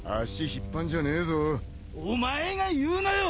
お前が言うなよ！